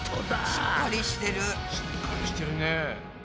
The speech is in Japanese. しっかりしてるね。